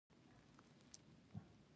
د ودونو تالارونه لویه سوداګري ده